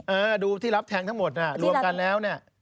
เออดูที่รับแทงทั้งหมดน่ะรวมกันแล้วเนี่ย